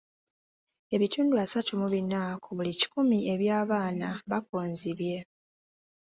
Ebitundu asatu mu bina ku buli kikumi eby'abaana bakonzibye.